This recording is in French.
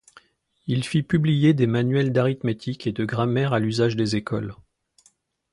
Il fit publier des manuels d'arithmétique et de grammaire à l'usage des écoles.